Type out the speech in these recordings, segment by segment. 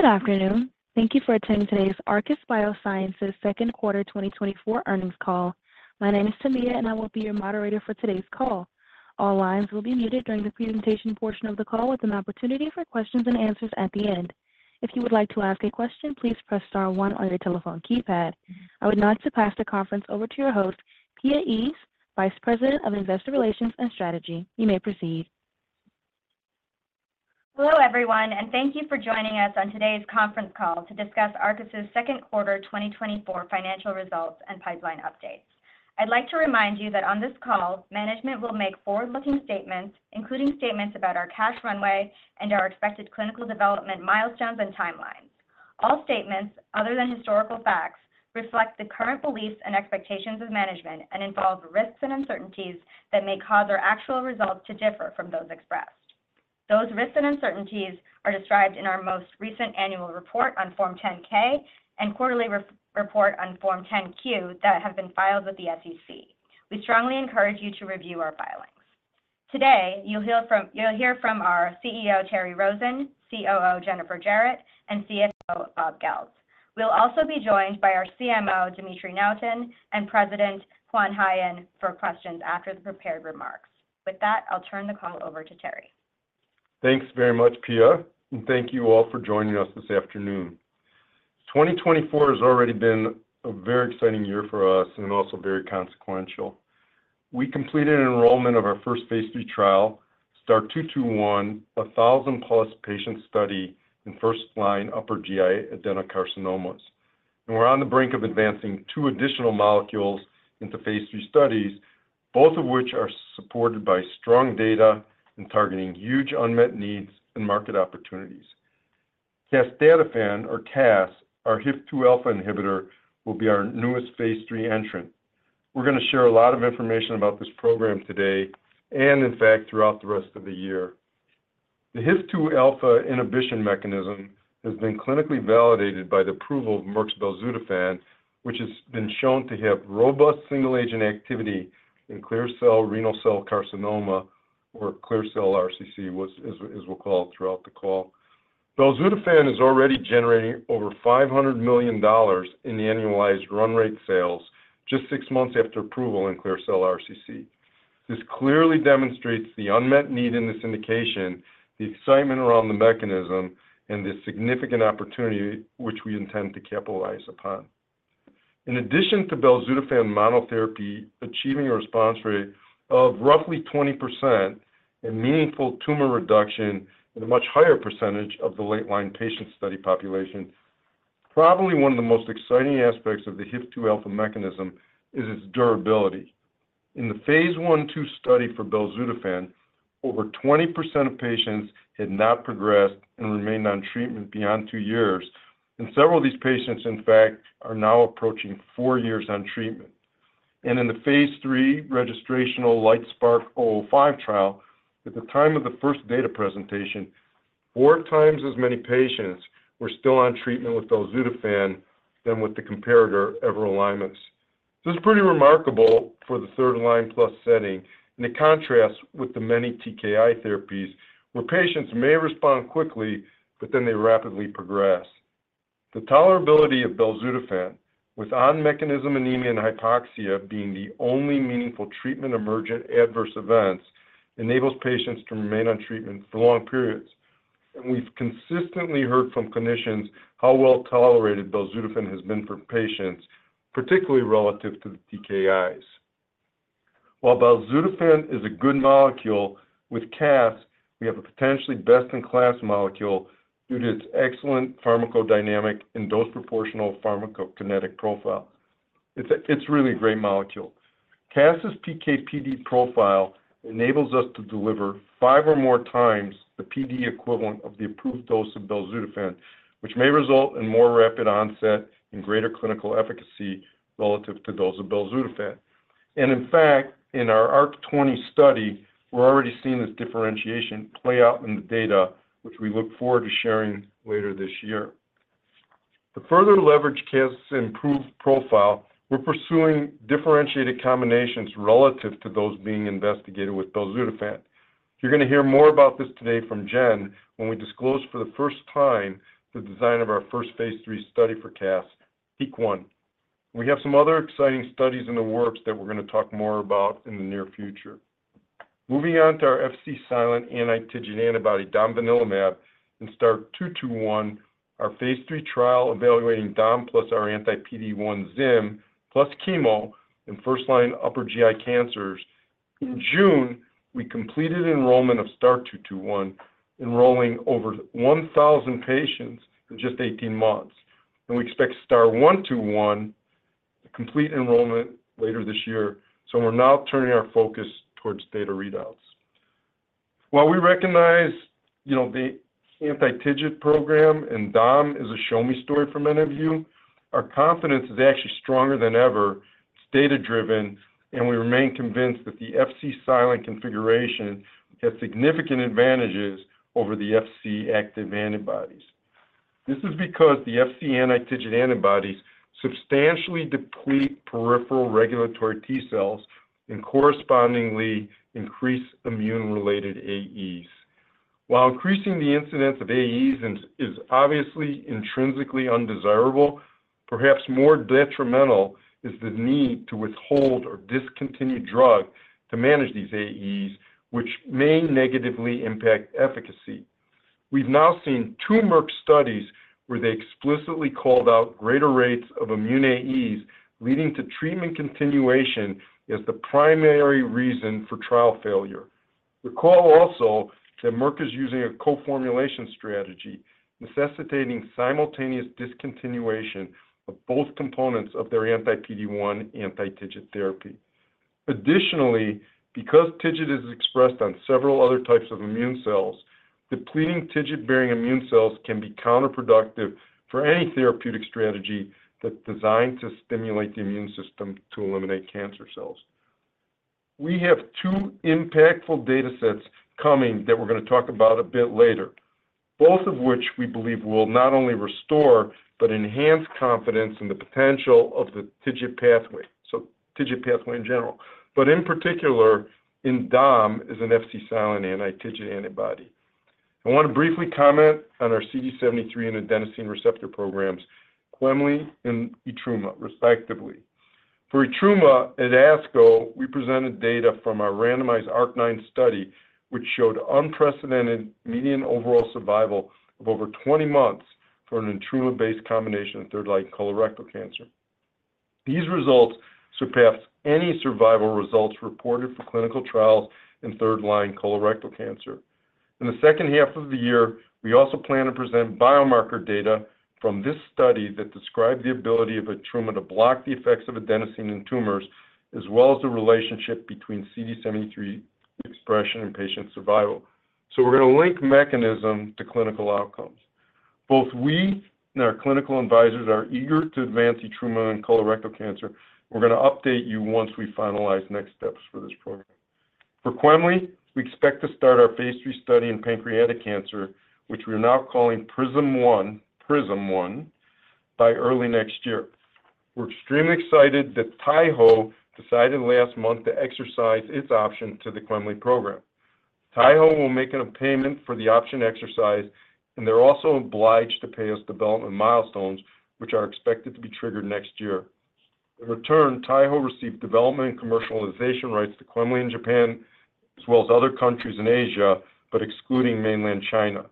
Good afternoon. Thank you for attending today's Arcus Biosciences second quarter 2024 earnings call. My name is Tamia, and I will be your moderator for today's call. All lines will be muted during the presentation portion of the call, with an opportunity for questions and answers at the end. If you would like to ask a question, please press star one on your telephone keypad. I would now like to pass the conference over to your host, Pia Eaves, Vice President of Investor Relations and Strategy. You may proceed. Hello, everyone, and thank you for joining us on today's conference call to discuss Arcus's second quarter 2024 financial results and pipeline updates. I'd like to remind you that on this call, management will make forward-looking statements, including statements about our cash runway and our expected clinical development milestones and timelines. All statements other than historical facts reflect the current beliefs and expectations of management and involve risks and uncertainties that may cause our actual results to differ from those expressed. Those risks and uncertainties are described in our most recent annual report on Form 10-K and quarterly report on Form 10-Q that have been filed with the SEC. We strongly encourage you to review our filings. Today, you'll hear from our CEO, Terry Rosen, COO, Jennifer Jarrett, and CFO, Bob Goeltz. We'll also be joined by our CMO, Dimitry Nuyten, and President Juan Jaen, for questions after the prepared remarks. With that, I'll turn the call over to Terry. Thanks very much, Pia, and thank you all for joining us this afternoon. 2024 has already been a very exciting year for us and also very consequential. We completed an enrollment of our first phase 3 trial, STAR-221, a 1,000+ patient study in first-line upper GI adenocarcinomas. We're on the brink of advancing 2 additional molecules into phase 3 studies, both of which are supported by strong data and targeting huge unmet needs and market opportunities. Casdatifan, or CAS, our HIF-2α inhibitor, will be our newest phase 3 entrant. We're going to share a lot of information about this program today and in fact, throughout the rest of the year. The HIF-2α inhibition mechanism has been clinically validated by the approval of Merck's belzutifan, which has been shown to have robust single-agent activity in clear cell renal cell carcinoma, or clear cell RCC, as we'll call it throughout the call. Belzutifan is already generating over $500 million in the annualized run rate sales just six months after approval in clear cell RCC. This clearly demonstrates the unmet need in this indication, the excitement around the mechanism, and the significant opportunity which we intend to capitalize upon. In addition to belzutifan monotherapy achieving a response rate of roughly 20% and meaningful tumor reduction in a much higher percentage of the late-line patient study population, probably one of the most exciting aspects of the HIF-2α mechanism is its durability. In the phase 1/2 study for belzutifan, over 20% of patients had not progressed and remained on treatment beyond 2 years, and several of these patients, in fact, are now approaching 4 years on treatment. In the phase 3 registrational LITESPARK-005 trial, at the time of the first data presentation, 4 times as many patients were still on treatment with belzutifan than with the comparator, everolimus. This is pretty remarkable for the third-line plus setting, and it contrasts with the many TKI therapies, where patients may respond quickly, but then they rapidly progress. The tolerability of belzutifan, with on-mechanism anemia and hypoxia being the only meaningful treatment-emergent adverse events, enables patients to remain on treatment for long periods. We've consistently heard from clinicians how well tolerated belzutifan has been for patients, particularly relative to the TKIs. While belzutifan is a good molecule, with CAS, we have a potentially best-in-class molecule due to its excellent pharmacodynamic and dose-proportional pharmacokinetic profile. It's, it's really a great molecule. CAS's PK/PD profile enables us to deliver five or more times the PD equivalent of the approved dose of belzutifan, which may result in more rapid onset and greater clinical efficacy relative to those of belzutifan. In fact, in our ARC-20 study, we're already seeing this differentiation play out in the data, which we look forward to sharing later this year. To further leverage CAS's improved profile, we're pursuing differentiated combinations relative to those being investigated with belzutifan. You're going to hear more about this today from Jen when we disclose for the first time the design of our first phase 3 study for CAS, PEAK-1. We have some other exciting studies in the works that we're going to talk more about in the near future. Moving on to our Fc-silent anti-TIGIT antibody, domvanalimab, in STAR-221, our phase 3 trial evaluating Dom plus our anti-PD-1 Zim, plus chemo in first-line upper GI cancers. In June, we completed enrollment of STAR-221, enrolling over 1,000 patients in just 18 months, and we expect STAR-121 to complete enrollment later this year. So we're now turning our focus towards data readouts. While we recognize, you know, the anti-TIGIT program and Dom is a show me story from many of you, our confidence is actually stronger than ever. It's data-driven, and we remain convinced that the Fc-silent configuration has significant advantages over the Fc-active antibodies. This is because the Fc anti-TIGIT antibodies substantially deplete peripheral regulatory T cells and correspondingly increase immune-related AEs. While increasing the incidence of AEs and is obviously intrinsically undesirable, perhaps more detrimental is the need to withhold or discontinue drug to manage these AEs, which may negatively impact efficacy. We've now seen two Merck studies where they explicitly called out greater rates of immune AEs, leading to treatment continuation as the primary reason for trial failure. Recall also that Merck is using a co-formulation strategy, necessitating simultaneous discontinuation of both components of their anti-PD-1, anti-TIGIT therapy. Additionally, because TIGIT is expressed on several other types of immune cells, depleting TIGIT-bearing immune cells can be counterproductive for any therapeutic strategy that's designed to stimulate the immune system to eliminate cancer cells. We have two impactful data sets coming that we're going to talk about a bit later, both of which we believe will not only restore but enhance confidence in the potential of the TIGIT pathway, so TIGIT pathway in general, but in particular, in Dom, which is an Fc-silent anti-TIGIT antibody. I want to briefly comment on our CD73 and adenosine receptor programs, quemly and etruma, respectively. For etruma, at ASCO, we presented data from our randomized ARC-9 study, which showed unprecedented median overall survival of over 20 months for an etruma-based combination of third-line colorectal cancer. These results surpassed any survival results reported for clinical trials in third-line colorectal cancer. In the second half of the year, we also plan to present biomarker data from this study that describe the ability of etrumadenant to block the effects of adenosine in tumors, as well as the relationship between CD73 expression and patient survival. So we're going to link mechanism to clinical outcomes. Both we and our clinical advisors are eager to advance etrumadenant in colorectal cancer. We're going to update you once we finalize next steps for this program. For quemliclustat, we expect to start our phase 3 study in pancreatic cancer, which we are now calling PRISM-1, PRISM-1, by early next year. We're extremely excited that Taiho decided last month to exercise its option to the quemliclustat program. Taiho will make a payment for the option exercise, and they're also obliged to pay us development milestones, which are expected to be triggered next year. In return, Taiho received development and commercialization rights to quemliclustat in Japan, as well as other countries in Asia, but excluding mainland China.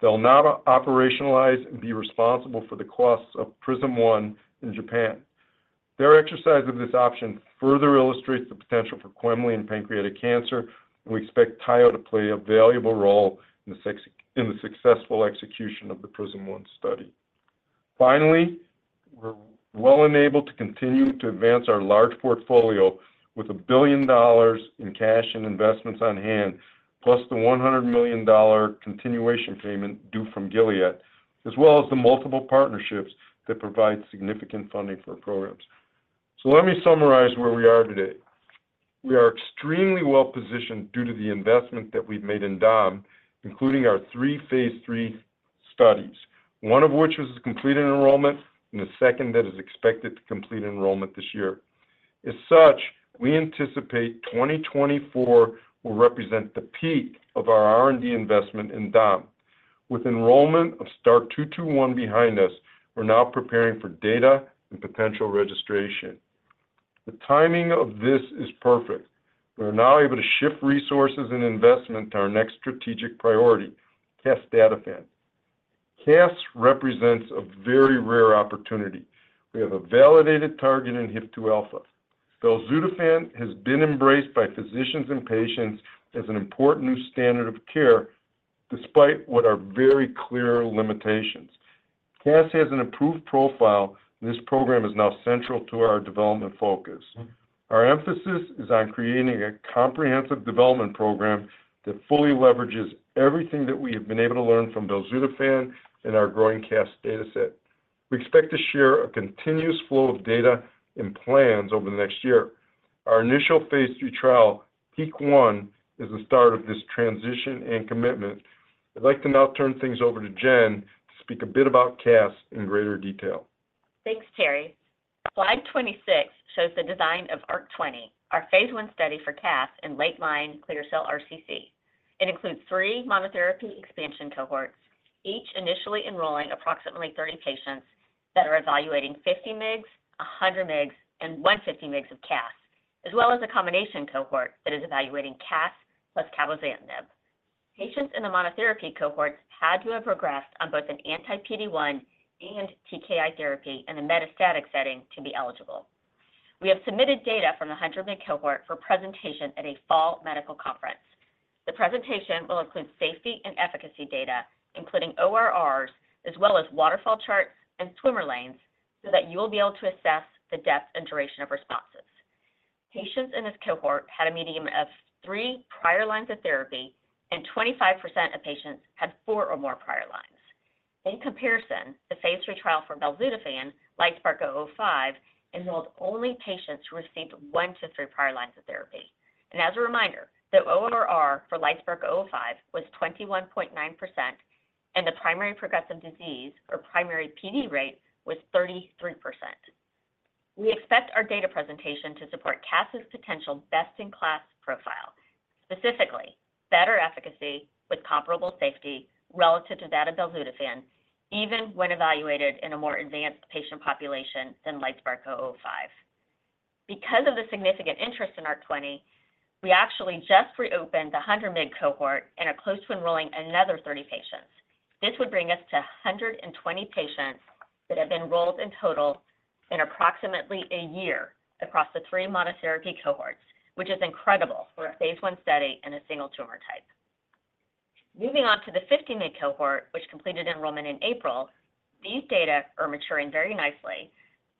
They'll now operationalize and be responsible for the costs of PRISM-1 in Japan. Their exercise of this option further illustrates the potential for quemliclustat in pancreatic cancer, and we expect Taiho to play a valuable role in the successful execution of the PRISM-1 study. Finally, we're well enabled to continue to advance our large portfolio with $1 billion in cash and investments on hand, plus the $100 million continuation payment due from Gilead, as well as the multiple partnerships that provide significant funding for our programs. So let me summarize where we are today. We are extremely well-positioned due to the investment that we've made in Dom, including our three phase 3 studies, one of which was completed in enrollment, and the second that is expected to complete enrollment this year. As such, we anticipate 2024 will represent the peak of our R&D investment in Dom. With enrollment of STAR-221 behind us, we're now preparing for data and potential registration. The timing of this is perfect. We're now able to shift resources and investment to our next strategic priority, casdatifan. Casdatifan represents a very rare opportunity. We have a validated target in HIF-2α. Belzutifan has been embraced by physicians and patients as an important new standard of care, despite what are very clear limitations. Casdatifan has an approved profile, and this program is now central to our development focus. Our emphasis is on creating a comprehensive development program that fully leverages everything that we have been able to learn from belzutifan and our growing CAS dataset. We expect to share a continuous flow of data and plans over the next year. Our initial phase 3 trial, PEAK-1, is the start of this transition and commitment. I'd like to now turn things over to Jen to speak a bit about CAS in greater detail. Thanks, Terry. Slide 26 shows the design of ARC-20, our phase 1 study for CAS in late-line clear cell RCC. It includes three monotherapy expansion cohorts, each initially enrolling approximately 30 patients that are evaluating 50 mg, 100 mg, and 150 mg of CAS, as well as a combination cohort that is evaluating CAS plus cabozantinib. Patients in the monotherapy cohorts had to have progressed on both an anti-PD-1 and TKI therapy in a metastatic setting to be eligible. We have submitted data from the 100 mg cohort for presentation at a fall medical conference. The presentation will include safety and efficacy data, including ORRs, as well as waterfall charts and swimmer lanes, so that you will be able to assess the depth and duration of responses. Patients in this cohort had a median of 3 prior lines of therapy, and 25% of patients had 4 or more prior lines. In comparison, the phase 3 trial for belzutifan, LITESPARK-005, enrolled only patients who received 1-3 prior lines of therapy. And as a reminder, the ORR for LITESPARK-005 was 21.9%, and the primary progressive disease, or primary PD rate, was 33%. We expect our data presentation to support casdatifan's potential best-in-class profile, specifically better efficacy with comparable safety relative to that of belzutifan, even when evaluated in a more advanced patient population than LITESPARK-005. Because of the significant interest in ARC-20, we actually just reopened the 100 mg cohort and are close to enrolling another 30 patients. This would bring us to 120 patients that have been enrolled in total in approximately a year across the three monotherapy cohorts, which is incredible for a phase 1 study and a single tumor type. Moving on to the 50 mg cohort, which completed enrollment in April, these data are maturing very nicely.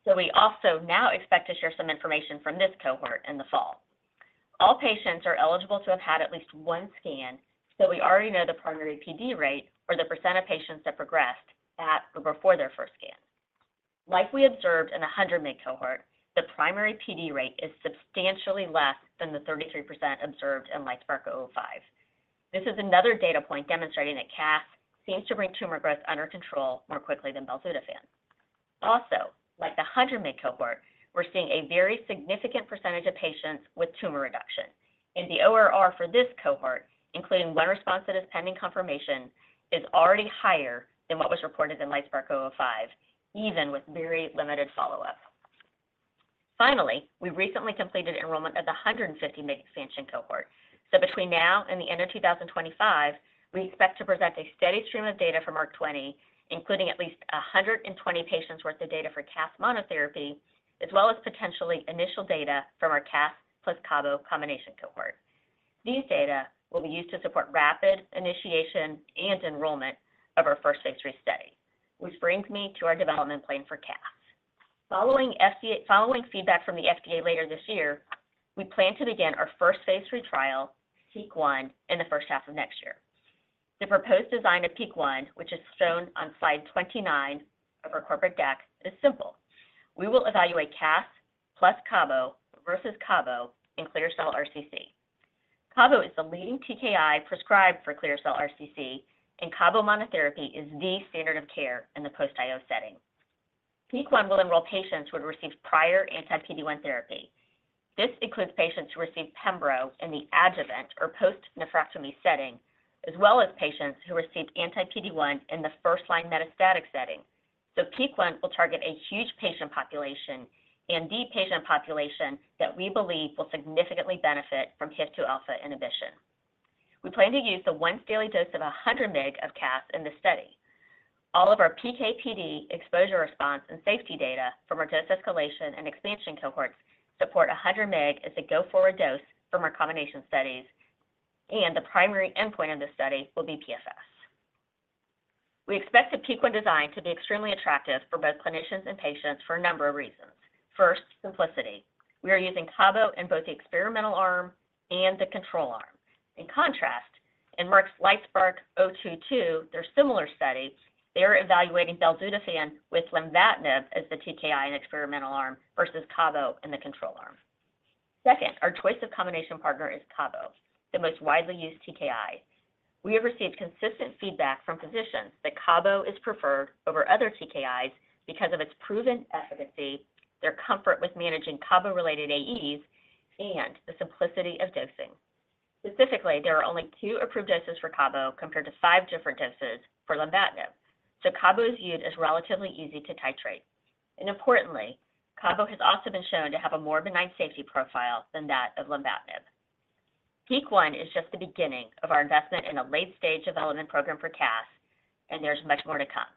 So we also now expect to share some information from this cohort in the fall. All patients are eligible to have had at least one scan, so we already know the primary PD rate or the percent of patients that progressed at or before their first scan. Like we observed in the 100 mg cohort, the primary PD rate is substantially less than the 33% observed in LITESPARK-005. This is another data point demonstrating that CAS seems to bring tumor growth under control more quickly than belzutifan. Also, like the 100 mg cohort, we're seeing a very significant percentage of patients with tumor reduction. The ORR for this cohort, including one response that is pending confirmation, is already higher than what was reported in LITESPARK-005, even with very limited follow-up. Finally, we recently completed enrollment of the 150 mg expansion cohort. So between now and the end of 2025, we expect to present a steady stream of data from ARC-20, including at least 120 patients worth of data for CAS monotherapy, as well as potentially initial data from our CAS plus Cabo combination cohort. These data will be used to support rapid initiation and enrollment of our first phase 3 study, which brings me to our development plan for CAS. Following feedback from the FDA later this year, we plan to begin our first phase 3 trial, PEAK-1, in the first half of next year. The proposed design of PEAK-1, which is shown on slide 29 of our corporate deck, is simple. We will evaluate casdatifan plus cabozantinib versus cabozantinib in clear cell RCC. Cabozantinib is the leading TKI prescribed for clear cell RCC, and cabozantinib monotherapy is the standard of care in the post-IO setting. PEAK-1 will enroll patients who have received prior anti-PD-1 therapy. This includes patients who received pembro in the adjuvant or post-nephrectomy setting, as well as patients who received anti-PD-1 in the first-line metastatic setting. So PEAK-1 will target a huge patient population and the patient population that we believe will significantly benefit from HIF-2α inhibition. We plan to use a once-daily dose of 100 mg of casdatifan in this study. All of our PK/PD exposure, response, and safety data from our dose escalation and expansion cohorts support 100 mg as a go-forward dose for more combination studies, and the primary endpoint of this study will be PFS. We expect the PEAK-1 design to be extremely attractive for both clinicians and patients for a number of reasons. First, simplicity. We are using Cabo in both the experimental arm and the control arm. In contrast, in Merck's LITESPARK-022, their similar studies, they are evaluating belzutifan with lenvatinib as the TKI in experimental arm versus Cabo in the control arm. Second, our choice of combination partner is Cabo, the most widely used TKI. We have received consistent feedback from physicians that Cabo is preferred over other TKIs because of its proven efficacy, their comfort with managing Cabo-related AEs, and the simplicity of dosing. Specifically, there are only two approved doses for Cabo, compared to five different doses for lenvatinib. So Cabo is used as relatively easy to titrate. And importantly, Cabo has also been shown to have a more benign safety profile than that of lenvatinib. PEAK-1 is just the beginning of our investment in a late-stage development program for casdatifan, and there's much more to come.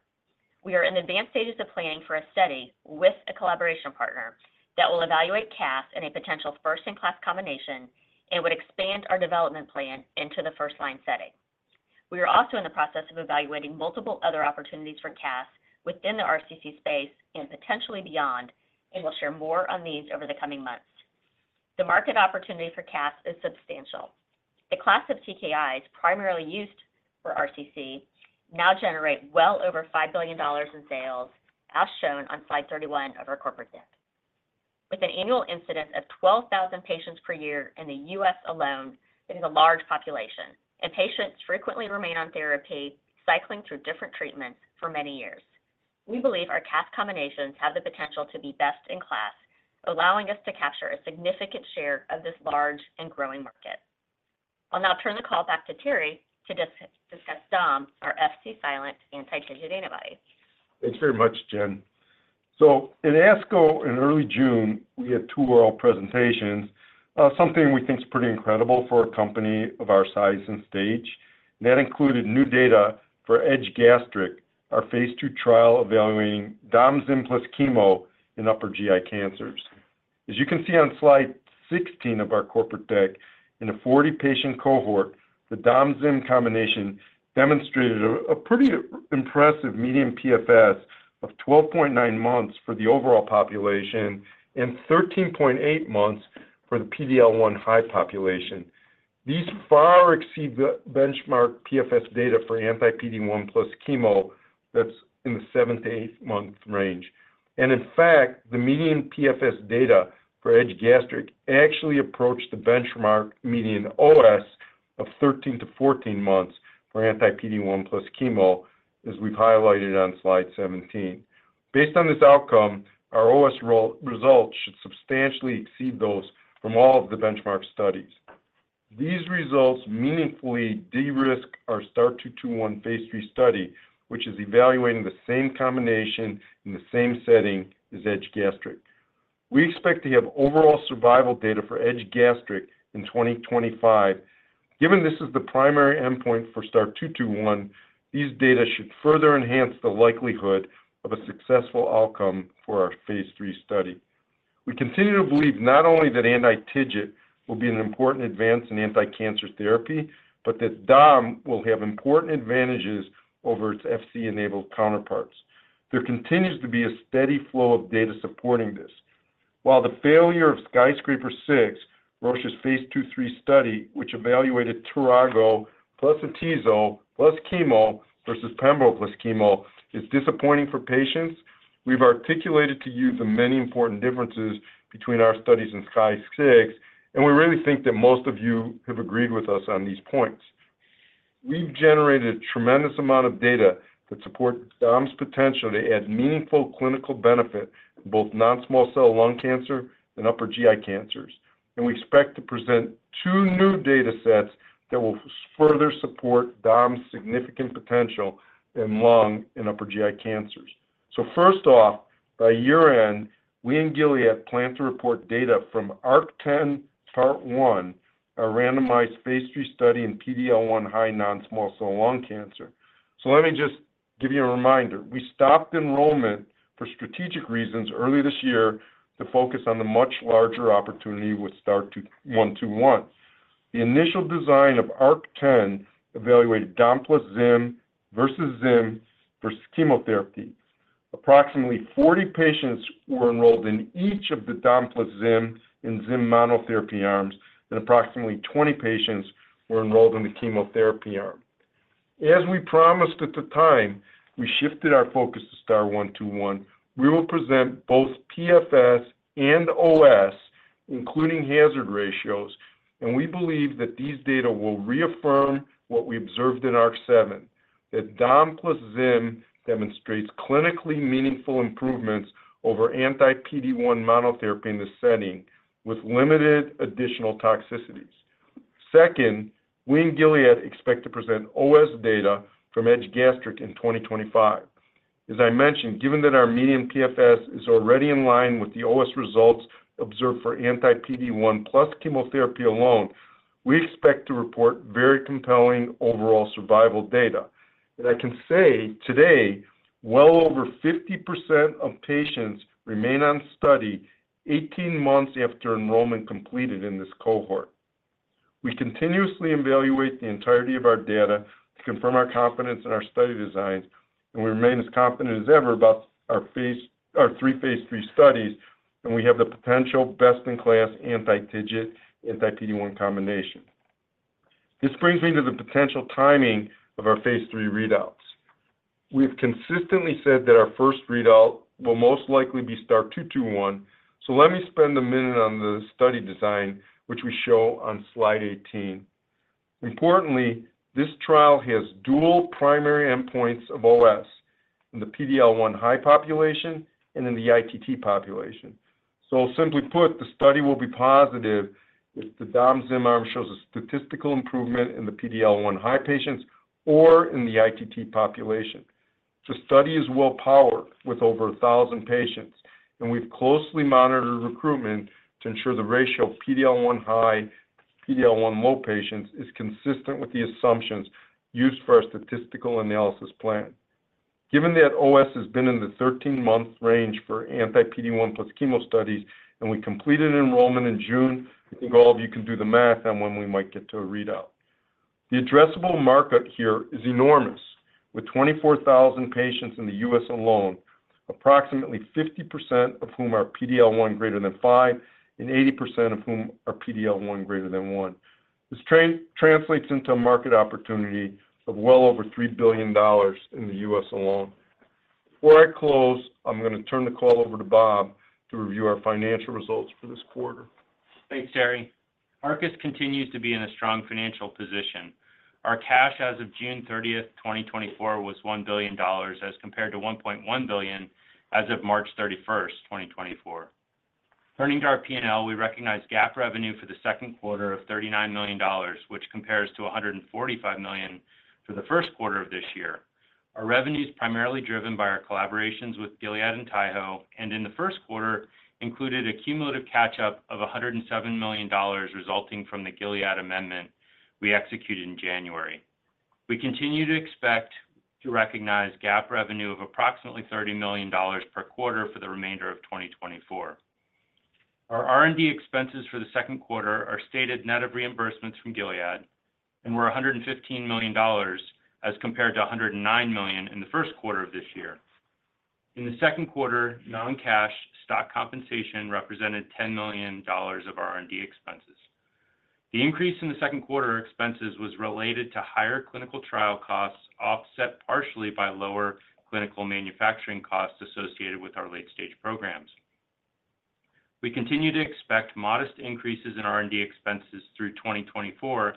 We are in advanced stages of planning for a study with a collaboration partner that will evaluate casdatifan in a potential first-in-class combination and would expand our development plan into the first-line setting. We are also in the process of evaluating multiple other opportunities for CAS within the RCC space and potentially beyond, and we'll share more on these over the coming months. The market opportunity for CAS is substantial. The class of TKIs primarily used for RCC now generate well over $5 billion in sales, as shown on slide 31 of our corporate deck. With an annual incidence of 12,000 patients per year in the U.S. alone, it is a large population, and patients frequently remain on therapy, cycling through different treatments for many years. We believe our CAS combinations have the potential to be best in class, allowing us to capture a significant share of this large and growing market. I'll now turn the call back to Terry to discuss DOM, our Fc-silent anti-TIGIT antibody. Thanks very much, Jen. In ASCO, in early June, we had two oral presentations, something we think is pretty incredible for a company of our size and stage. That included new data for EDGE-Gastric, our phase 2 trial evaluating domvanalimab plus chemo in upper GI cancers. As you can see on slide 16 of our corporate deck, in a 40-patient cohort, the domvanalimab combination demonstrated a pretty impressive median PFS of 12.9 months for the overall population and 13.8 months for the PD-L1 high population. These far exceed the benchmark PFS data for anti-PD-1 plus chemo that's in the 7-8 month range. And in fact, the median PFS data for EDGE-Gastric actually approached the benchmark median OS of 13-14 months for anti-PD-L1 plus chemo, as we've highlighted on slide 17. Based on this outcome, our OS result should substantially exceed those from all of the benchmark studies. These results meaningfully de-risk our STAR-221 phase 3 study, which is evaluating the same combination in the same setting as EDGE-Gastric. We expect to have overall survival data for EDGE-Gastric in 2025. Given this is the primary endpoint for STAR-221, these data should further enhance the likelihood of a successful outcome for our phase 3 study. We continue to believe not only that anti-TIGIT will be an important advance in anticancer therapy, but that Dom will have important advantages over its Fc-enabled counterparts. There continues to be a steady flow of data supporting this. While the failure of SKYSCRAPER-06, Roche's phase 2/3 study, which evaluated tiragolumab plus atezolizumab plus chemo versus pembrolizumab plus chemo, is disappointing for patients. We've articulated to you the many important differences between our studies and SKYSCRAPER-06, and we really think that most of you have agreed with us on these points. We've generated a tremendous amount of data that supports Dom's potential to add meaningful clinical benefit in both non-small cell lung cancer and upper GI cancers. We expect to present two new data sets that will further support Dom's significant potential in lung and upper GI cancers. First off, by year-end, we and Gilead plan to report data from ARC-10, Part 1, a randomized phase 3 study in PD-L1 high non-small cell lung cancer. Let me just give you a reminder. We stopped enrollment for strategic reasons early this year to focus on the much larger opportunity with STAR-121. The initial design of ARC-10 evaluated Do plus Zim versus Zim versus chemotherapy. Approximately 40 patients were enrolled in each of the DOM plus Zim and Zim monotherapy arms, and approximately 20 patients were enrolled in the chemotherapy arm. As we promised at the time, we shifted our focus to STAR-121. We will present both PFS and OS, including hazard ratios, and we believe that these data will reaffirm what we observed in ARC-7. That DOM plus Zim demonstrates clinically meaningful improvements over anti-PD-1 monotherapy in this setting, with limited additional toxicities. Second, we and Gilead expect to present OS data from Edge Gastric in 2025. As I mentioned, given that our median PFS is already in line with the OS results observed for anti-PD-1 plus chemotherapy alone, we expect to report very compelling overall survival data. I can say today, well over 50% of patients remain on study 18 months after enrollment completed in this cohort. We continuously evaluate the entirety of our data to confirm our confidence in our study designs, and we remain as confident as ever about our three phase 3 studies, and we have the potential best-in-class anti-TIGIT, anti-PD-1 combination. This brings me to the potential timing of our phase 3 readouts. We've consistently said that our first readout will most likely be STAR-221. So let me spend a minute on the study design, which we show on slide 18. Importantly, this trial has dual primary endpoints of OS in the PD-L1 high population and in the ITT population. So simply put, the study will be positive if the DOM Zim arm shows a statistical improvement in the PD-L1 high patients or in the ITT population. The study is well powered with over 1,000 patients, and we've closely monitored recruitment to ensure the ratio of PD-L1 high to PD-L1 low patients is consistent with the assumptions used for our statistical analysis plan. Given that OS has been in the 13-month range for anti-PD-1 plus chemo studies, and we completed enrollment in June, I think all of you can do the math on when we might get to a readout. The addressable market here is enormous, with 24,000 patients in the U.S. alone, approximately 50% of whom are PD-L1 greater than 5, and 80% of whom are PD-L1 greater than 1. This translates into a market opportunity of well over $3 billion in the U.S. alone. Before I close, I'm going to turn the call over to Bob to review our financial results for this quarter. Thanks, Terry. Arcus continues to be in a strong financial position. Our cash as of June 30th, 2024, was $1 billion, as compared to $1.1 billion as of March 31st, 2024. Turning to our P&L, we recognize GAAP revenue for the second quarter of $39 million, which compares to $145 million for the first quarter of this year. Our revenue is primarily driven by our collaborations with Gilead and Taiho, and in the first quarter, included a cumulative catch-up of $107 million resulting from the Gilead amendment we executed in January. We continue to expect to recognize GAAP revenue of approximately $30 million per quarter for the remainder of 2024. Our R&D expenses for the second quarter are stated net of reimbursements from Gilead and were $115 million, as compared to $109 million in the first quarter of this year. In the second quarter, non-cash stock compensation represented $10 million of our R&D expenses. The increase in the second quarter expenses was related to higher clinical trial costs, offset partially by lower clinical manufacturing costs associated with our late-stage programs. We continue to expect modest increases in R&D expenses through 2024,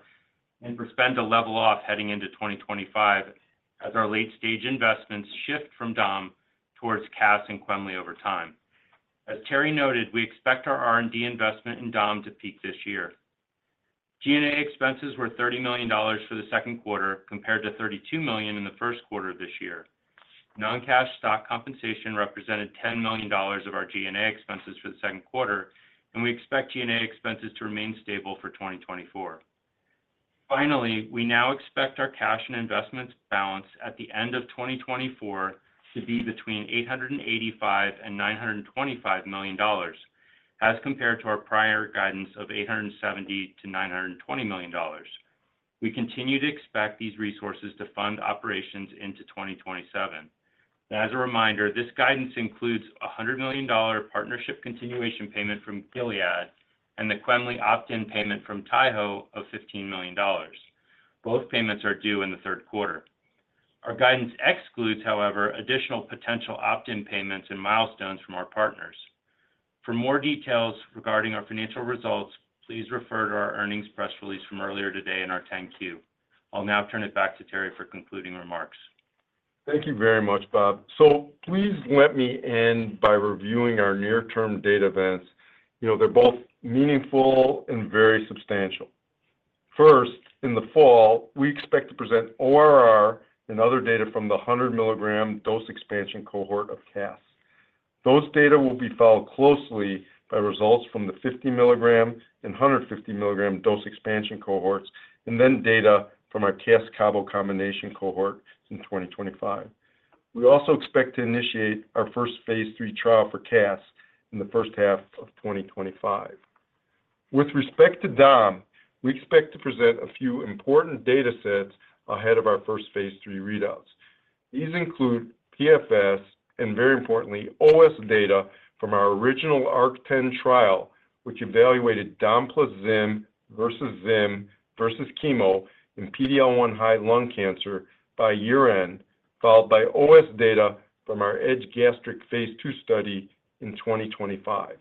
and for spend to level off heading into 2025 as our late-stage investments shift from Dom towards CAS and Quemly over time. As Terry noted, we expect our R&D investment in Dom to peak this year. G&A expenses were $30 million for the second quarter, compared to $32 million in the first quarter of this year. Non-cash stock compensation represented $10 million of our G&A expenses for the second quarter, and we expect G&A expenses to remain stable for 2024. Finally, we now expect our cash and investments balance at the end of 2024 to be between $885 million and $925 million, as compared to our prior guidance of $870 million-$920 million. We continue to expect these resources to fund operations into 2027. As a reminder, this guidance includes a $100 million partnership continuation payment from Gilead and the quemli opt-in payment from Taiho of $15 million. Both payments are due in the third quarter. Our guidance excludes, however, additional potential opt-in payments and milestones from our partners. For more details regarding our financial results, please refer to our earnings press release from earlier today in our 10-Q. I'll now turn it back to Terry for concluding remarks. Thank you very much, Bob. So please let me end by reviewing our near-term data events. You know, they're both meaningful and very substantial. First, in the fall, we expect to present ORR and other data from the 100-milligram dose expansion cohort of CAS. Those data will be followed closely by results from the 50-milligram and 150-milligram dose expansion cohorts, and then data from our Cas+Cabo combination cohort in 2025. We also expect to initiate our first phase 3 trial for CAS in the first half of 2025. With respect to Dom, we expect to present a few important data sets ahead of our first phase 3 readouts. These include PFS and, very importantly, OS data from our original ARC-10 trial, which evaluated Dom plus Zim versus Zim versus chemo in PD-L1 high lung cancer by year-end, followed by OS data from our EDGE-Gastric phase II study in 2025.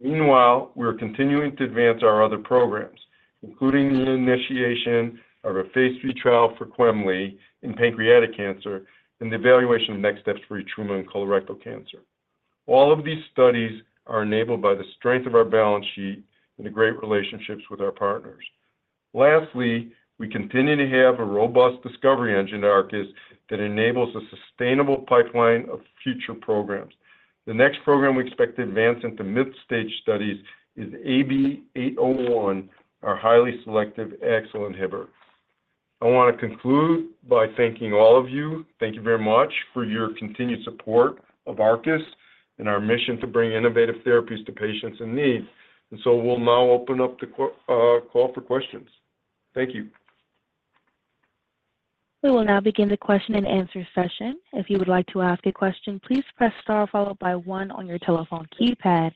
Meanwhile, we are continuing to advance our other programs, including the initiation of a phase III trial for quemliclustat in pancreatic cancer and the evaluation of next steps for etrumadenant in colorectal cancer. All of these studies are enabled by the strength of our balance sheet and the great relationships with our partners. Lastly, we continue to have a robust discovery engine at Arcus that enables a sustainable pipeline of future programs. The next program we expect to advance into mid-stage studies is AB-801, our highly selective AXL inhibitor. I want to conclude by thanking all of you. Thank you very much for your continued support of Arcus and our mission to bring innovative therapies to patients in need. So we'll now open up the Q&A call for questions. Thank you. We will now begin the question-and-answer session. If you would like to ask a question, please press star followed by one on your telephone keypad.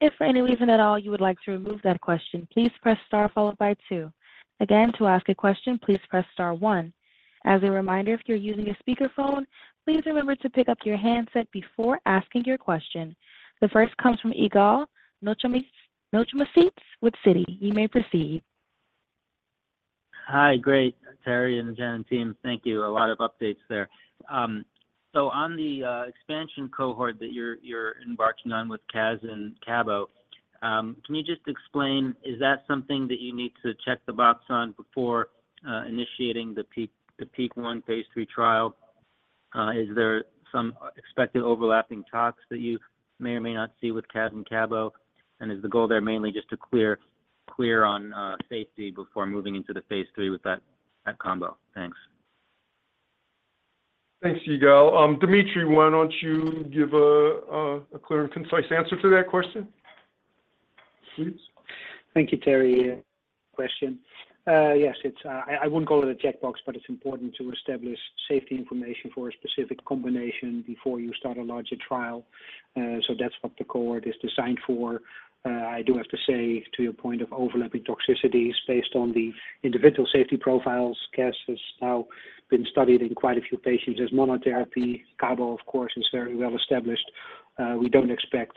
If for any reason at all you would like to remove that question, please press star followed by two. Again, to ask a question, please press star one. As a reminder, if you're using a speakerphone, please remember to pick up your handset before asking your question. The first comes from Yigal Nochomovitz with Citi. You may proceed. Hi. Great, Terry and Jen and team, thank you. A lot of updates there. So on the expansion cohort that you're embarking on with CAS and Cabo, can you just explain, is that something that you need to check the box on before initiating the PEAK-1 phase 3 trial? Is there some expected overlapping talks that you may or may not see with CAS and Cabo? And is the goal there mainly just to clear on safety before moving into the phase 3 with that combo? Thanks. Thanks, Yigal. Dimitry, why don't you give a clear and concise answer to that question, please? Thank you, Terry. Question. Yes, it's. I wouldn't call it a checkbox, but it's important to establish safety information for a specific combination before you start a larger trial. So that's what the cohort is designed for. I do have to say, to your point of overlapping toxicities, based on the individual safety profiles, CAS has now been studied in quite a few patients as monotherapy. Cabo, of course, is very well established. We don't expect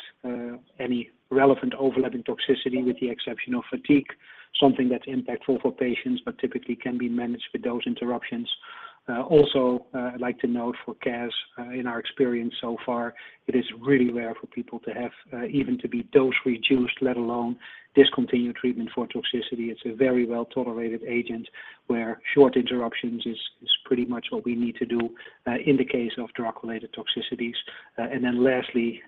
any relevant overlapping toxicity, with the exception of fatigue, something that's impactful for patients but typically can be managed with dose interruptions. Also, I'd like to note for CAS, in our experience so far, it is really rare for people to have even to be dose reduced, let alone discontinue treatment for toxicity. It's a very well-tolerated agent, where short interruptions is pretty much what we need to do, in the case of drug-related toxicities. And then lastly,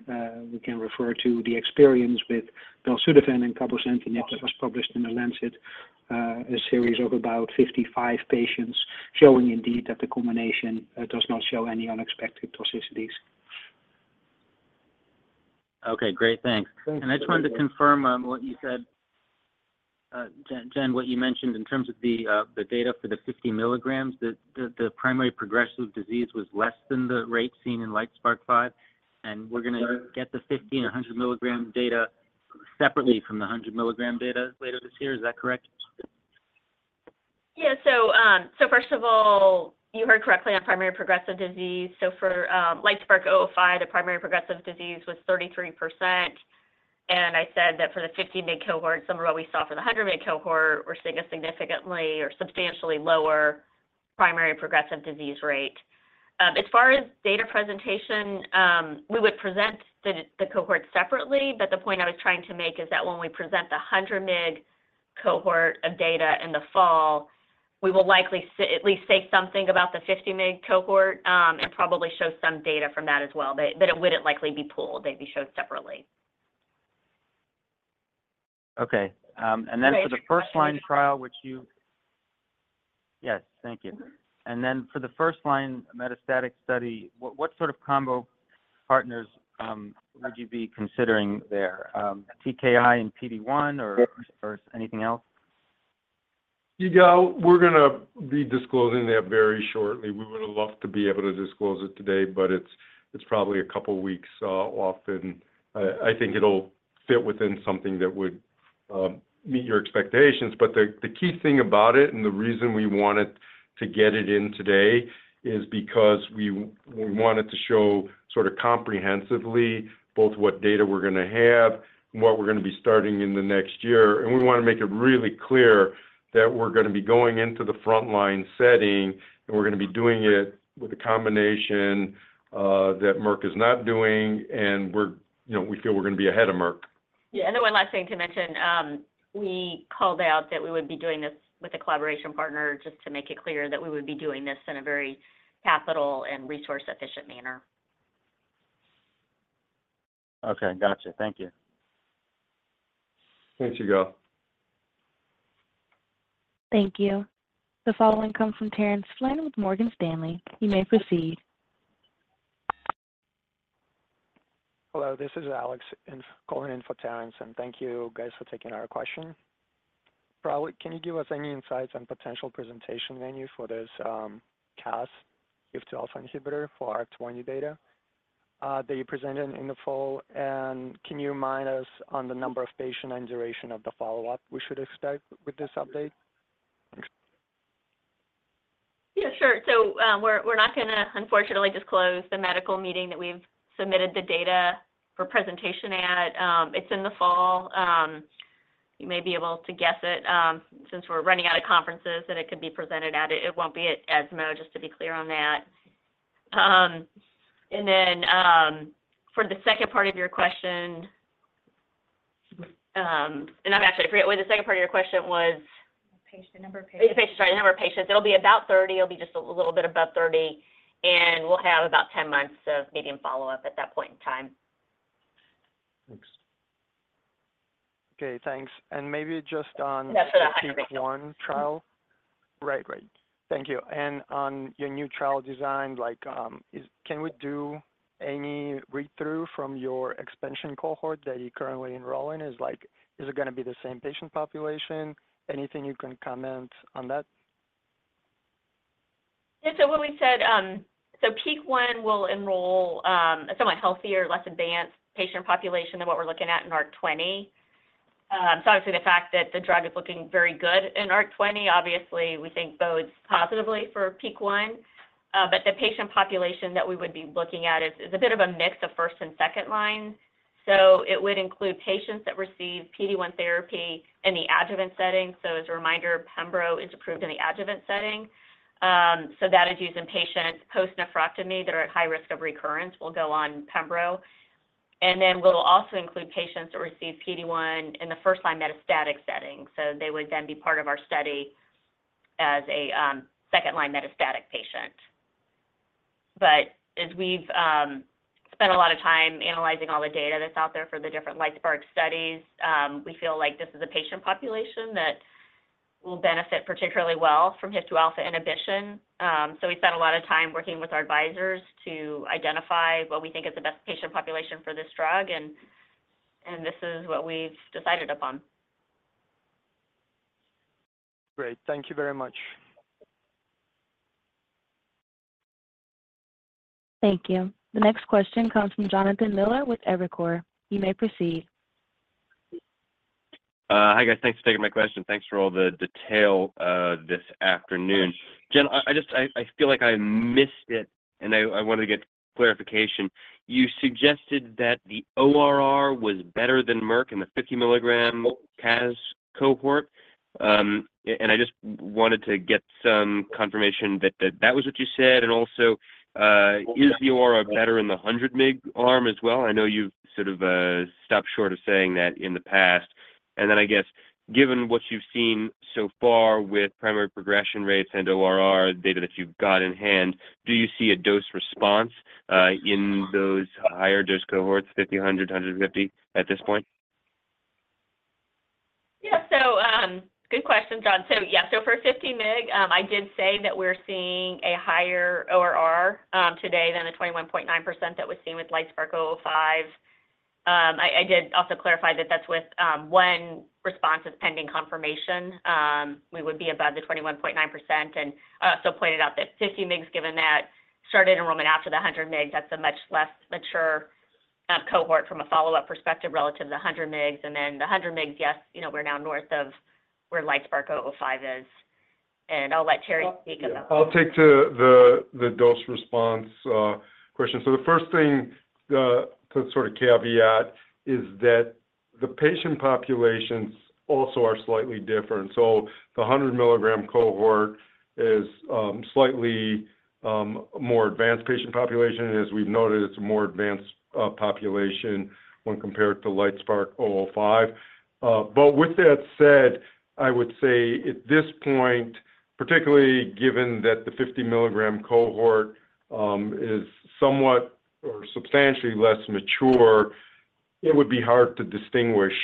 we can refer to the experience with belzutifan and cabozantinib that was published in The Lancet, a series of about 55 patients, showing indeed that the combination does not show any unexpected toxicities. Okay, great. Thanks. Thank you. I just wanted to confirm on what you said, Jen, what you mentioned in terms of the data for the 50 milligrams, the primary progressive disease was less than the rate seen in LITESPARK-005, and we're going to get the 50- and 100-milligram data separately from the 100-milligram data later this year. Is that correct? Yeah, so, so first of all, you heard correctly on primary progressive disease. So for, LITESPARK-005, the primary progressive disease was 33%, and I said that for the 50 mg cohort, some of what we saw for the 100 mg cohort were significantly or substantially lower primary progressive disease rate. As far as data presentation, we would present the, the cohort separately, but the point I was trying to make is that when we present the 100 mg cohort of data in the fall, we will likely say, at least say something about the 50 mg cohort, and probably show some data from that as well. But, but it wouldn't likely be pooled. They'd be showed separately. Okay. And then for the first-line trial, which you-- Yes, thank you. And then for the first-line metastatic study, what, what sort of combo partners would you be considering there? TKI and PD-1 or, or anything else? Yeah, we're gonna be disclosing that very shortly. We would have loved to be able to disclose it today, but it's, it's probably a couple of weeks off, and I, I think it'll fit within something that would meet your expectations. But the, the key thing about it, and the reason we wanted to get it in today, is because we wanted to show sort of comprehensively both what data we're gonna have and what we're gonna be starting in the next year. And we want to make it really clear that we're gonna be going into the frontline setting, and we're gonna be doing it with a combination that Merck is not doing, and we're, you know, we feel we're gonna be ahead of Merck. Yeah, and then one last thing to mention, we called out that we would be doing this with a collaboration partner just to make it clear that we would be doing this in a very capital and resource-efficient manner. Okay, gotcha. Thank you. Thanks, Hugo. Thank you. The following comes from Terence Flynn with Morgan Stanley. You may proceed. Hello, this is Alex, and calling in for Terence, and thank you guys for taking our question. Probably, can you give us any insights on potential presentation venue for this, CAS HIF-2 alpha inhibitor for ARC-20 data, that you presented in the fall? And can you remind us on the number of patient and duration of the follow-up we should expect with this update? Yeah, sure. So, we're not gonna, unfortunately, disclose the medical meeting that we've submitted the data for presentation at. It's in the fall. You may be able to guess it, since we're running out of conferences, that it could be presented at. It won't be at ESMO, just to be clear on that. And then, for the second part of your question, and I've actually forgot—wait, the second part of your question was? The patient, number of patients. The patient, sorry, the number of patients. It'll be about 30. It'll be just a little bit above 30, and we'll have about 10 months of median follow-up at that point in time. Thanks. Okay, thanks. Maybe just on- Yeah, sure. The PEAK-1 trial. Right. Right. Thank you. On your new trial design, like, is, can we do any read-through from your expansion cohort that you're currently enrolling? Is like, is it gonna be the same patient population? Anything you can comment on that? Yeah, so what we said, so PEAK-1 will enroll a somewhat healthier, less advanced patient population than what we're looking at in ARC-20. So obviously, the fact that the drug is looking very good in ARC-20, obviously, we think bodes positively for PEAK-1. But the patient population that we would be looking at is a bit of a mix of first- and second-line. So it would include patients that receive PD-1 therapy in the adjuvant setting. So as a reminder, pembro is approved in the adjuvant setting. So that is used in patients post-nephrectomy that are at high risk of recurrence, will go on pembro. And then we'll also include patients that receive PD-1 in the first-line metastatic setting, so they would then be part of our study as a second-line metastatic patient. But as we've spent a lot of time analyzing all the data that's out there for the different LITESPARK studies, we feel like this is a patient population that will benefit particularly well from HIF-2 alpha inhibition. So we spent a lot of time working with our advisors to identify what we think is the best patient population for this drug, and this is what we've decided upon. Great. Thank you very much. Thank you. The next question comes from Jonathan Miller with Evercore. You may proceed. Hi, guys. Thanks for taking my question. Thanks for all the detail this afternoon. Jen, I just feel like I missed it, and I wanted to get clarification. You suggested that the ORR was better than Merck in the 50-milligram CAS cohort, and I just wanted to get some confirmation that that was what you said, and also, is the ORR better in the 100 mg arm as well? I know you've sort of stopped short of saying that in the past. And then I guess, given what you've seen so far with primary progression rates and ORR data that you've got in hand, do you see a dose response in those higher dose cohorts, 50, 100, 150, at this point? Yeah. So, good question, John. So yeah, so for 50 mg, I did say that we're seeing a higher ORR today than the 21.9% that was seen with LITESPARK-005. I did also clarify that that's with one response pending confirmation. We would be above the 21.9%, and so pointed out that 50 mgs, given that started enrollment after the 100 mg, that's a much less mature cohort from a follow-up perspective relative to the 100 mgs, and then the 100 mgs, yes, you know, we're now north of where LITESPARK-005 is, and I'll let Terry speak about it. I'll take to the dose response question. So the first thing to sort of caveat is that the patient populations also are slightly different. So the 100-milligram cohort is slightly more advanced patient population. And as we've noted, it's a more advanced population when compared to LITESPARK-005. But with that said, I would say at this point, particularly given that the 50-milligram cohort is somewhat or substantially less mature, it would be hard to distinguish.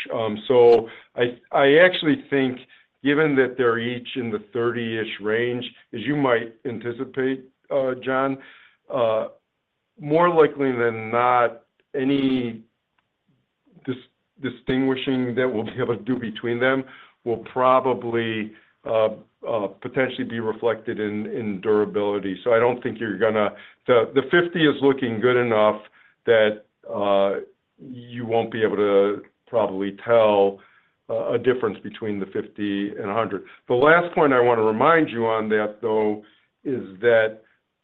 So I actually think, given that they're each in the 30-ish range, as you might anticipate, John, more likely than not, any distinguishing that we'll be able to do between them will probably potentially be reflected in durability. So I don't think you're gonna the 50 is looking good enough that you won't be able to probably tell a difference between the 50 and 100. The last point I want to remind you on that, though, is that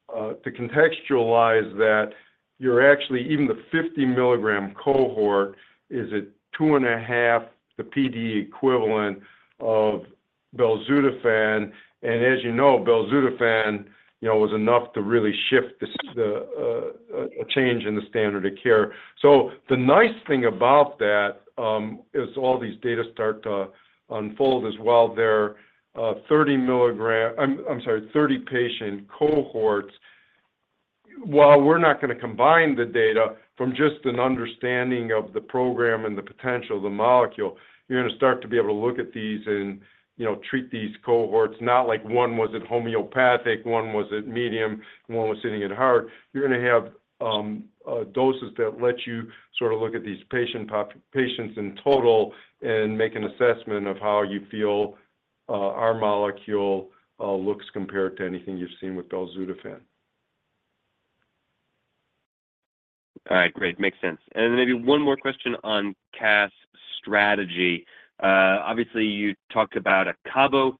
to contextualize that you're actually even the 50-milligram cohort is at 2.5 the PDE equivalent of belzutifan, and as you know, belzutifan you know was enough to really shift this a change in the standard of care. So the nice thing about that, as all these data start to unfold as well, they're 30 milligram... I'm sorry, 30-patient cohorts. While we're not gonna combine the data from just an understanding of the program and the potential of the molecule, you're gonna start to be able to look at these and, you know, treat these cohorts, not like one was at homeopathic, one was at medium, and one was sitting at hard. You're gonna have doses that let you sort of look at these patients in total and make an assessment of how you feel our molecule looks compared to anything you've seen with belzutifan. All right. Great, makes sense. Then maybe one more question on CAS strategy. Obviously, you talked about a cabo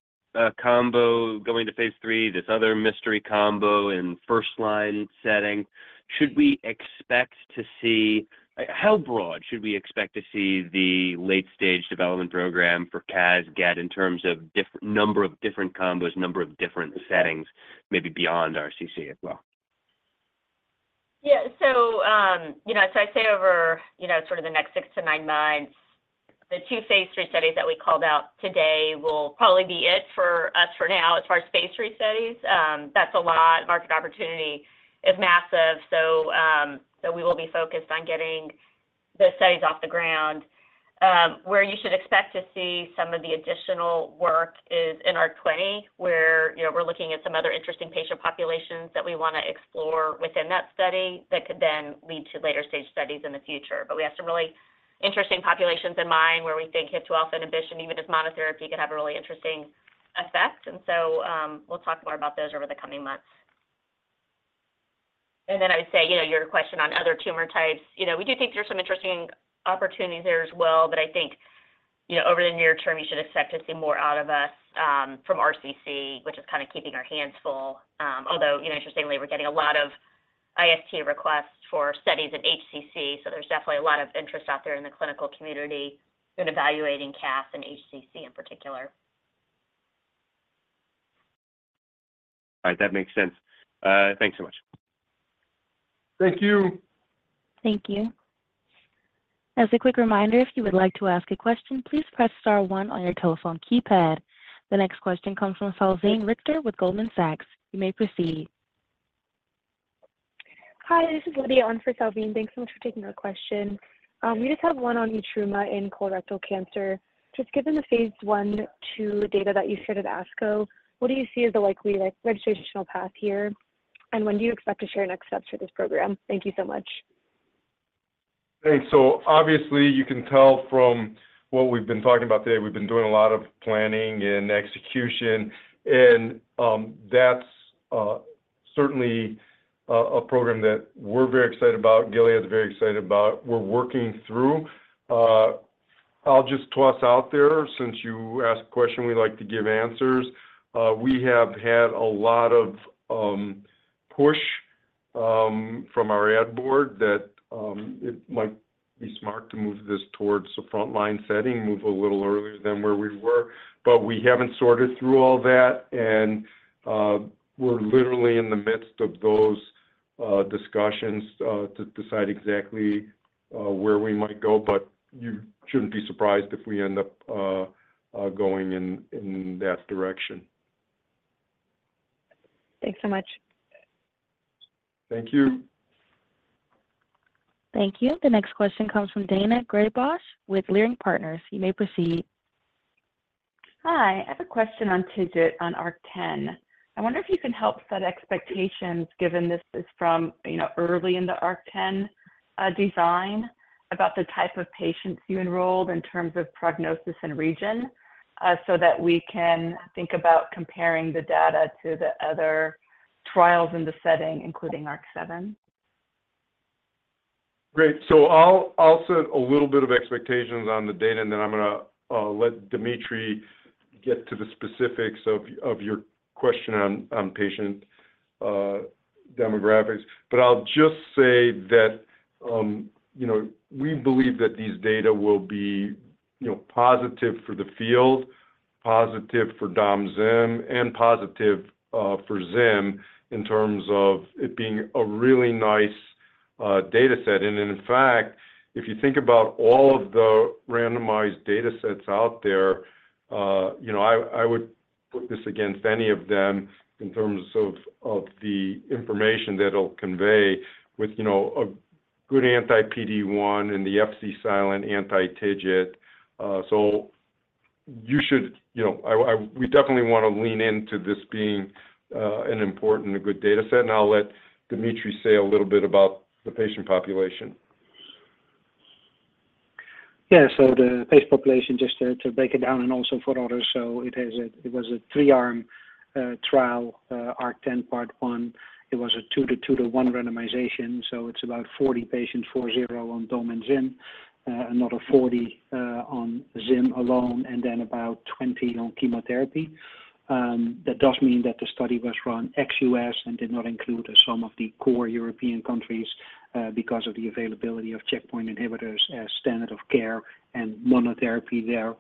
combo going to phase 3, this other mystery combo in first-line setting. Should we expect to see how broad should we expect to see the late-stage development program for CAS get in terms of different number of different combos, number of different settings, maybe beyond RCC as well? Yeah. So, you know, as I say, over, you know, sort of the next six to nine months, the two Phase III studies that we called out today will probably be it for us for now. As far as Phase III studies, that's a lot. Market opportunity is massive, so, so we will be focused on getting the studies off the ground. Where you should expect to see some of the additional work is in ARC-20, where, you know, we're looking at some other interesting patient populations that we wanna explore within that study that could then lead to later-stage studies in the future. But we have some really interesting populations in mind where we think HIF-2α inhibition, even as monotherapy, could have a really interesting effect. And so, we'll talk more about those over the coming months. And then I'd say, you know, your question on other tumor types, you know, we do think there are some interesting opportunities there as well, but I think, you know, over the near term, you should expect to see more out of us from RCC, which is kind of keeping our hands full. Although, you know, interestingly, we're getting a lot of IST requests for studies in HCC, so there's definitely a lot of interest out there in the clinical community in evaluating casdatifan in HCC in particular. All right, that makes sense. Thanks so much. Thank you. Thank you. As a quick reminder, if you would like to ask a question, please press star one on your telephone keypad. The next question comes from Salveen Richter with Goldman Sachs. You may proceed. Hi, this is Lydia on for Salveen. Thanks so much for taking our question. We just have one on etrumadenant in colorectal cancer. Just given the phase I/II data that you shared at ASCO, what do you see as the likely registrational path here, and when do you expect to share next steps for this program? Thank you so much. Thanks. So obviously, you can tell from what we've been talking about today, we've been doing a lot of planning and execution, and that's certainly a program that we're very excited about, Gilead is very excited about. We're working through. I'll just toss out there, since you asked a question, we like to give answers. We have had a lot of push from our ad board that it might be smart to move this towards the frontline setting, move a little earlier than where we were. But we haven't sorted through all that, and we're literally in the midst of those discussions to decide exactly where we might go, but you shouldn't be surprised if we end up going in that direction. Thanks so much. Thank you. Thank you. The next question comes from Daina Graybosch with Leerink Partners. You may proceed. Hi, I have a question on TIGIT on ARC-10. I wonder if you can help set expectations, given this is from, you know, early in the ARC-10 design, about the type of patients you enrolled in terms of prognosis and region, so that we can think about comparing the data to the other-... trials in the setting, including ARC-7? Great. So I'll set a little bit of expectations on the data, and then I'm gonna let Dimitry get to the specifics of your question on patient demographics. But I'll just say that, you know, we believe that these data will be, you know, positive for the field, positive for domzim, and positive for zim in terms of it being a really nice data set. And in fact, if you think about all of the randomized data sets out there, you know, I would put this against any of them in terms of the information that it'll convey with, you know, a good anti-PD-1 and the Fc-silent anti-TIGIT. So you should, you know, we definitely want to lean into this being an important and good data set, and I'll let Dimitry say a little bit about the patient population. Yeah. So the patient population, just to break it down and also for others, it was a three-arm trial, ARC-10, part one. It was a 2:2:1 randomization, so it's about 40 patients, 40 on dom and zim, another 40 on zim alone, and then about 20 on chemotherapy. That does mean that the study was run ex-US and did not include some of the core European countries, because of the availability of checkpoint inhibitors as standard of care and monotherapy there.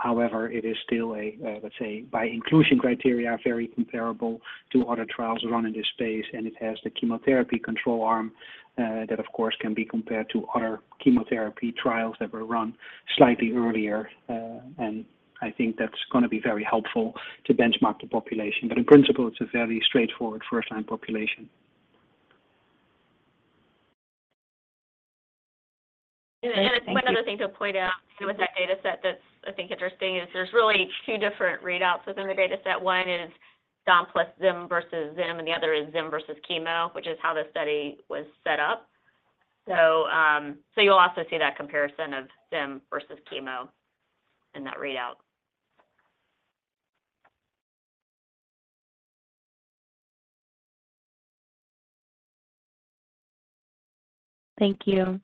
However, it is still, let's say, by inclusion criteria, very comparable to other trials run in this space, and it has the chemotherapy control arm that of course can be compared to other chemotherapy trials that were run slightly earlier. I think that's gonna be very helpful to benchmark the population, but in principle, it's a very straightforward first-line population. And one other thing to point out with that data set that's, I think, interesting, is there's really two different readouts within the data set. One is dom plus zim versus zim, and the other is zim versus chemo, which is how the study was set up. So, you'll also see that comparison of zim versus chemo in that readout. Thank you. The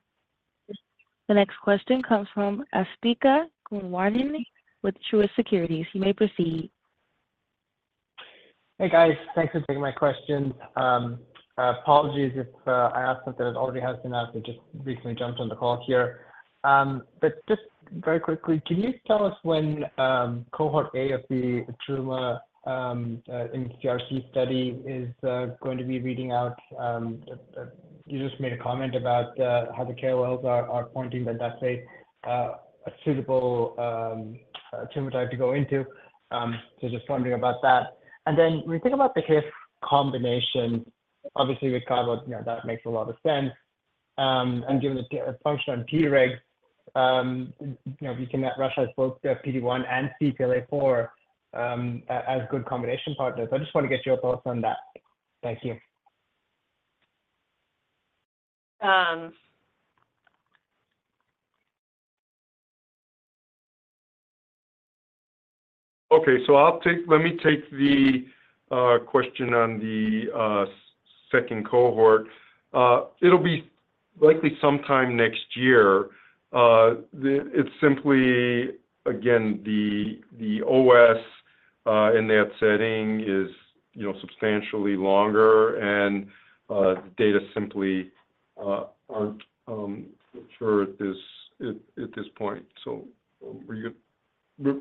next question comes from Asthika Goonewardene with Truist Securities. You may proceed. Hey, guys. Thanks for taking my questions. Apologies if I asked something that already has been asked. I just recently jumped on the call here. But just very quickly, can you tell us when cohort A of the tumor ncRCC study is going to be reading out? You just made a comment about how the clues are pointing that that's a suitable tumor type to go into. So just wondering about that. And then when we think about the HIF combination, obviously, with Cabo, you know, that makes a lot of sense. And given the function on Treg, you know, you can use both PD-1 and CTLA-4 as good combination partners. I just want to get your thoughts on that. Thank you. Um... Okay, so I'll take - let me take the question on the second cohort. It'll be likely sometime next year. It's simply, again, the OS in that setting is, you know, substantially longer and data simply aren't sure at this point. So were you...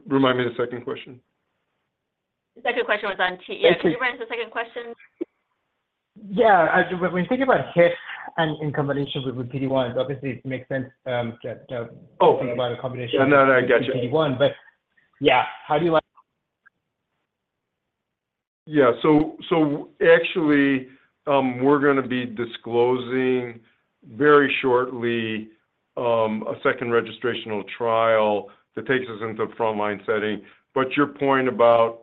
Remind me the second question. The second question was on Treg. Thank you. Yeah, could you remind us the second question? Yeah, when we think about HIF and in combination with PD-1, obviously, it makes sense, to- Oh. think about a combination. No, no, I got you. -PD-1. But yeah, how do you like? Yeah, so actually, we're gonna be disclosing very shortly a second registrational trial that takes us into the frontline setting. But your point about,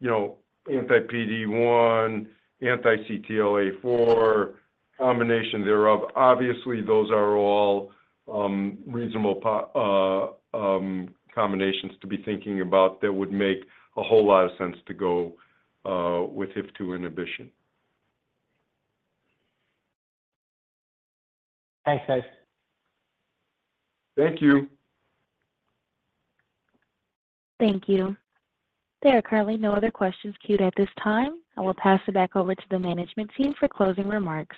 you know, anti-PD-1, anti-CTLA-4, combination thereof, obviously, those are all reasonable combinations to be thinking about that would make a whole lot of sense to go with HIF-2 inhibition. Thanks, guys. Thank you. Thank you. There are currently no other questions queued at this time. I will pass it back over to the management team for closing remarks.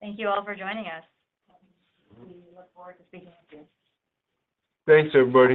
Thank you all for joining us. We look forward to speaking with you. Thanks, everybody.